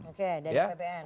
oke dari apbn